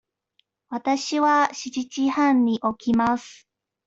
わたしは七時半に起きます。